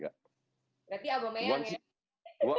tapi kayaknya nolnya tidak